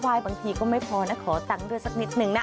บางทีก็ไม่พอนะขอตังค์ด้วยสักนิดนึงนะ